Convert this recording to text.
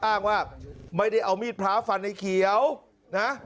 อ้างว่าไม่ได้เอามีดพระฟันในเขียวนะ